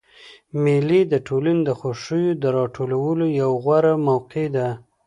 مېلې د ټولني د خوښیو د راټولولو یوه غوره موقع ده.